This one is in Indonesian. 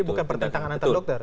ini bukan pertentangan antar dokter